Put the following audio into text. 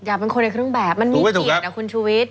อยากเป็นคนในครึ่งแบบมันมีเกลียดนะคุณชุวิต